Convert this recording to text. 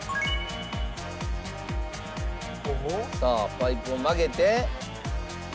さあパイプを曲げて。